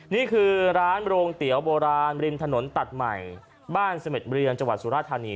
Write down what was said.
นี่คือร้านโรงเตี๋ยวโบราณริมถนนตัดใหม่บ้านเสม็ดเรืองจังหวัดสุราธานี